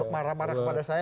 marah marah kepada saya